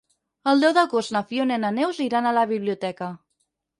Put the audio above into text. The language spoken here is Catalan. El deu d'agost na Fiona i na Neus iran a la biblioteca.